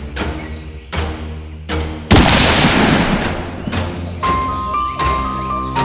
สัมพันธ์พรชาติ